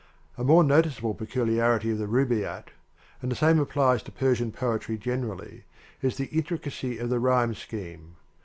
A more noticeable peculiarity of the Rubaiyat (and the same applies to Persian poe try generally) is the intricacy of the rhyme scheme.